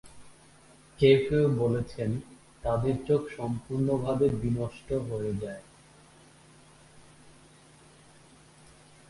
কেউ কেউ বলেছেন, তাদের চোখ সম্পূর্ণভাবে বিনষ্ট হয়ে যায়।